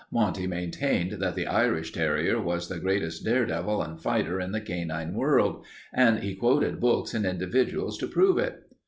Monty maintained that the Irish terrier was the greatest dare devil and fighter in the canine world, and he quoted books and individuals to prove it.